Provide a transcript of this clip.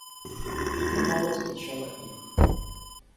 Я мало встречала их.